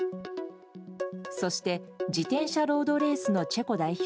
そして自転車ロードレースのチェコ代表